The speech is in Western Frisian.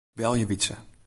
Belje Wytse.